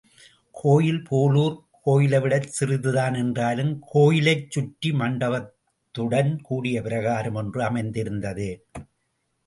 கோயில் பேலூர் கோயிலைவிடச் சிறிதுதான் என்றாலும் கோயிலைச் சுற்றி மண்டபத்துடன் கூடிய பிரகாரம் ஒன்றும் அமைந்திருக்கிறது.